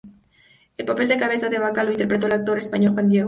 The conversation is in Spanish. El papel de Cabeza de Vaca lo interpretó el actor español Juan Diego.